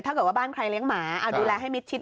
ถ้าเกิดว่าบ้านใครเลี้ยงหมาเอาดูแลให้มิดชิด